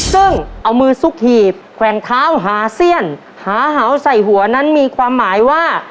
ซึ่งเอามือซุกหีบแกว่งเท้าหาเสี้ยนหาเห่าใส่หัวนั้นมีความหมายว่า